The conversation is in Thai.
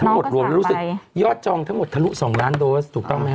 หยอดจองทั้งหมดถลุ๒ล้านโดสถูกต้องไหมค่ะ